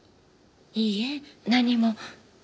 いいえ何も。